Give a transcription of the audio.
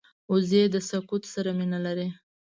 وزې د سکوت سره مینه لري